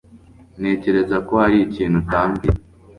Ntekereza ko hari ikintu utambwiye.